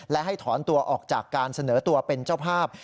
และให้ถอนตัวออกจากการเสนอตัวเป็นเจ้าภาพ